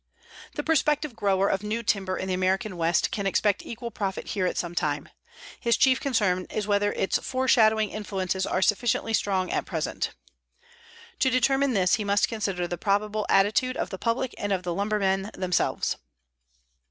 The prospective grower of new timber in the American West can expect equal profit here at some time. His chief concern is whether its foreshadowing influences are sufficiently strong at present. To determine this he must consider the probable attitude of the public and of the lumbermen themselves.